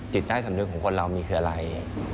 จิตใต้สำนึกของคนเรามีคืออะไร